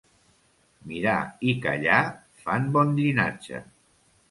Mirar i callar fan bon llinatge.